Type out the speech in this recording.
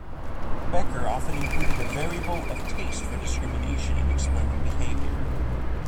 Becker often included a variable of taste for discrimination in explaining behavior.